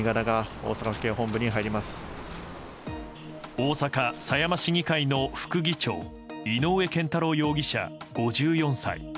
大阪狭山市議会の副議長井上健太郎容疑者、５４歳。